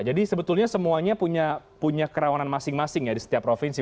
jadi sebetulnya semuanya punya kerawanan masing masing ya di setiap provinsi